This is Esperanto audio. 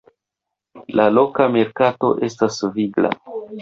La loka merkato estas vigla.